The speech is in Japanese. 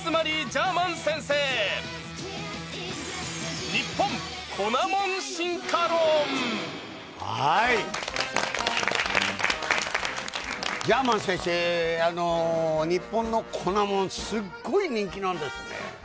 ジャーマン先生、日本の粉もん、すっごい人気なんですね。